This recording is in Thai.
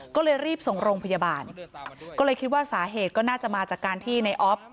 ก็เลยรีบส่งโรงพยาบาลก็เลยคิดว่าสาเหตุก็น่าจะมาจากการที่ในออฟ